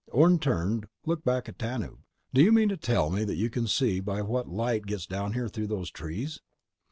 Orne turned, looked back at Tanub. "Do you mean to tell me that you can see by what light gets down here through those trees?"